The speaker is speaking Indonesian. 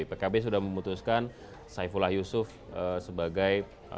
pkb sudah memutuskan saifullah yusuf sebagai